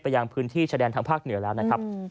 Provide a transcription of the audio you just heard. ยังพื้นที่ชายแดนทางภาคเหนือแล้วนะครับ